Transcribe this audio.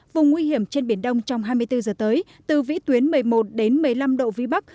vùng nguy hiểm trên biển đông trong hai mươi bốn giờ tới từ vĩ tuyến một mươi một đến một mươi năm độ vĩ bắc